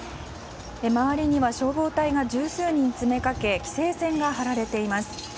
周りには消防隊が十数人詰めかけ規制線が張られています。